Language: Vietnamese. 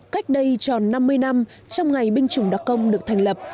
cách đây tròn năm mươi năm trong ngày binh chủng đặc công được thành lập